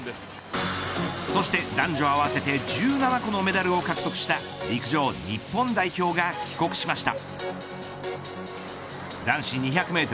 そして男女合わせて１７個のメダルを獲得した陸上日本代表が帰国しました。